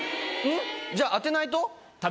じゃあ当てないと？